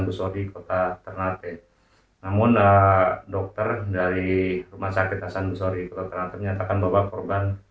busori kota ternate namun dokter dari rumah sakit hasan sorry kota ternate nyatakan bahwa korban